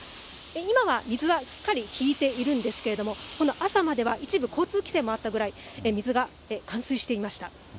今は水はすっかり引いているんですけれども、この朝までは一部交通規制もあったぐらい、水が冠水していました。